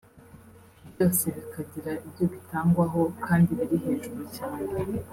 byose bikagira ibyo bitangwaho kandi biri hejuru cyane